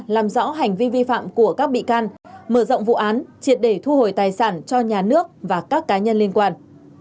làm rõ hành vi vi phạm của các bị can mở rộng vụ án triệt để thu hồi tài sản cho nhà nước và các cá nhân liên quan